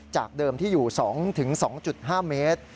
จากเดิมที่อยู่๒๒๕เมตร